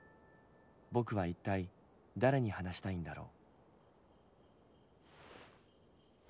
僕は一体誰に話したいんだろう。